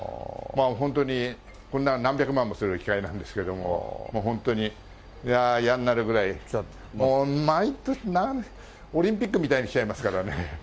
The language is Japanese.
本当に、こんな、何百万もする機械なんですけども、本当に、嫌んなるぐらい、もう毎年、オリンピックみたいに来ちゃいますからね。